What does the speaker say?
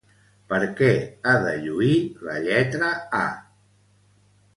Per què ha de lluir la lletra A?